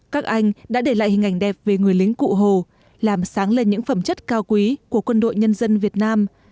các anh đã để lại hình ảnh đẹp về người lính cụ hồ làm sáng lên những phẩm chất cao quý của quân đội nhân dân việt nam